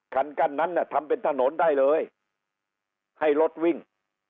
คันกั้นนั้นน่ะทำเป็นถนนได้เลยให้รถวิ่ง